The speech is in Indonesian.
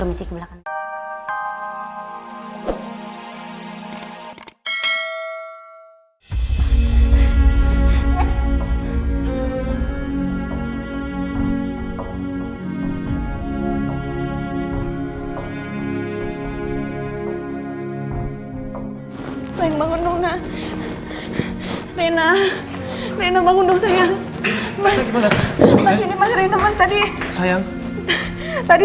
mas ini mas ren mas tadi